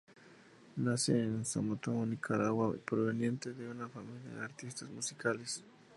Nace en Somoto-Nicaragua, proveniente de una familia de artistas musicales.